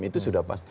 itu sudah pas